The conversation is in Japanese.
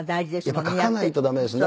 やっぱり書かないと駄目です。